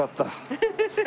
フフフフ。